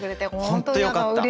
本当によかった。